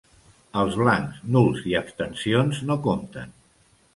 Els blancs, nuls i abstencions no compten.